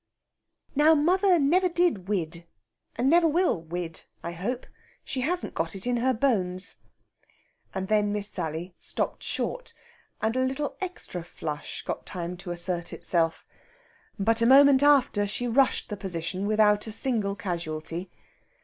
"Now, mother never did wid, and never will wid, I hope. She hasn't got it in her bones." And then Miss Sally stopped short, and a little extra flush got time to assert itself. But a moment after she rushed the position without a single casualty.